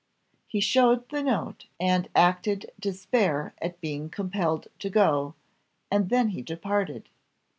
He showed the note, and acted despair at being compelled to go, and then he departed.